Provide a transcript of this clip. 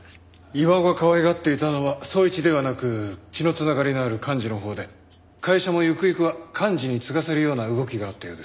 巌がかわいがっていたのは宗一ではなく血の繋がりのある寛二のほうで会社もゆくゆくは寛二に継がせるような動きがあったようです。